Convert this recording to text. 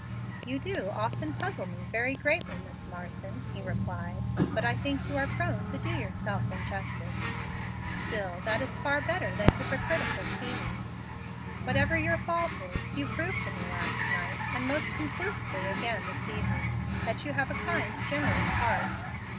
"You do often puzzle me very greatly, Miss Marsden," he replied. "But I think you are prone to do yourself injustice. Still that is far better than hypocritical seeming. Whatever your fault is, you proved to me last night, and most conclusively again this evening, that you have a kind, generous heart.